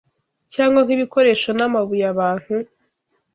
cyangwa nk’ibikoresho n’amabuye abantu